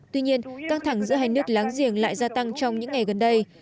tuy nhiên căng thẳng giữa hai nước láng giềng lại gia tăng trong những ngày gần đây